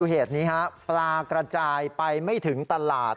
อุบัติเหตุนี้ครับปลากระจายไปไม่ถึงตลาด